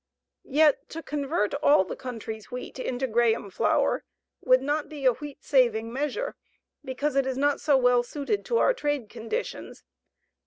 Yet to convert all the country's wheat into Graham flour would not be a wheat saving measure, because it is not so well suited to our trade conditions.